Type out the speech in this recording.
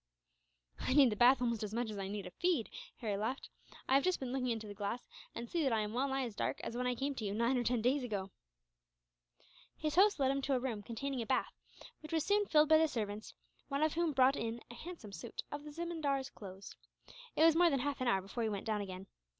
"I need the bath almost as much as I need a feed," Harry laughed. "I have just been looking into the glass, and I see that I am well nigh as dark as when I came to you, nine or ten days ago." His host led him to a room containing a bath, which was soon filled by the servants, one of whom brought in a handsome suit of the zemindar's clothes. It was more than half an hour before he went down again.